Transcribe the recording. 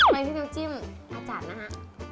ไปที่น้ำจิ้มอาจารย์นะฮะ